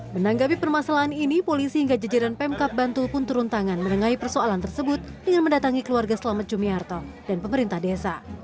menanggapi permasalahan ini polisi hingga jejaran pemkap bantul pun turun tangan menengahi persoalan tersebut dengan mendatangi keluarga selamet jumiarto dan pemerintah desa